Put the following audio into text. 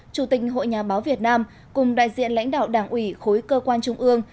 chủ tịch hội nhà báo việt nam cùng đại diện lãnh đạo đảng ủy khối cơ quan trung ương